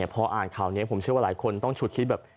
พออ่านข่าวนี้ผมเชื่อว่าหลายคนต้องฉุดคิดแบบ